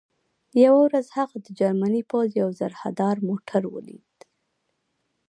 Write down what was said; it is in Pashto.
یوه ورځ هغې د جرمني پوځ یو زرهدار موټر ولید